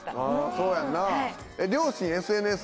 そうやんな。